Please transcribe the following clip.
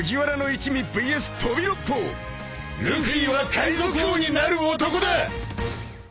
ルフィは海賊王になる男だ！